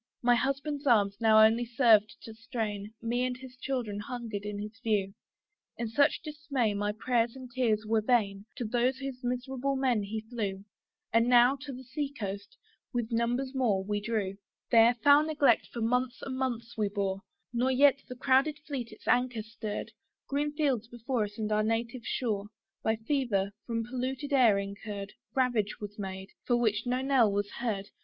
My husband's arms now only served to strain Me and his children hungering in his view: In such dismay my prayers and tears were vain: To join those miserable men he flew; And now to the sea coast, with numbers more, we drew. There foul neglect for months and months we bore, Nor yet the crowded fleet its anchor stirred. Green fields before us and our native shore, By fever, from polluted air incurred, Ravage was made, for which no knell was heard.